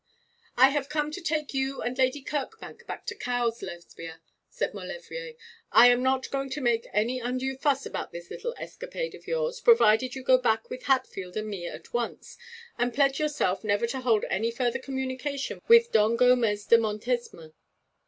'I have come to take you and Lady Kirkbank back to Cowes, Lesbia,' said Maulevrier. 'I'm not going to make any undue fuss about this little escapade of yours, provided you go back with Hartfield and me at once, and pledge yourself never to hold any further communication with Don Gomez de Montesma.'